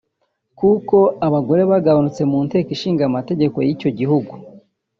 kuko abagore bagabanutse mu Nteko Ishinga Amategeko y’icyo gihugu